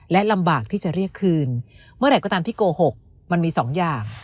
และลำบากที่จะเรียกคืนเมื่อไหร่ก็ตามที่โกหกมันมีสองอย่าง